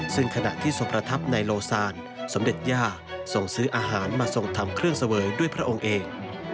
ซึ่งขณะที่ทรงประทับในโลซานสมเด็จย่าส่งซื้ออาหารมาส่งทำเครื่องเสวยด้วยพระองค์เอง